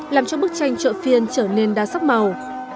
làm cho bức tranh chợ phiên trở nên đa sắc màu